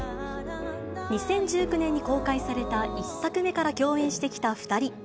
２０１９年に公開された１作目から共演してきた２人。